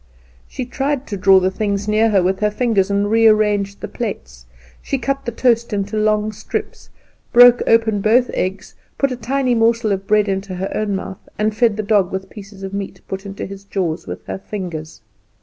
She tried to draw the things near her with her fingers, and re arranged the plates. She cut the toast into long strips, broke open both eggs, put a tiny morsel of bread into her own mouth, and fed the dog with pieces of meat put into his jaws with her fingers.